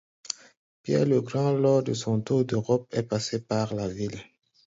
Pierre le Grand, lors de son tour d'Europe, est passé par la ville.